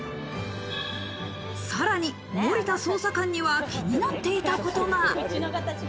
さらに森田捜査官には気になっていたことが。